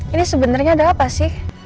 ini sebenarnya ada apa sih